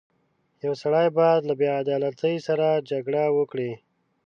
• یو سړی باید له بېعدالتۍ سره جګړه وکړي.